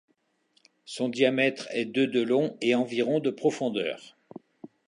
Son diamètre est de de long et environ de profondeur.